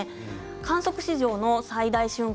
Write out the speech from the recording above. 観測史上の最大瞬間